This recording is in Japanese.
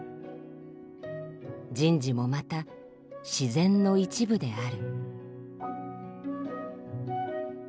人事もまた自然の一部である」。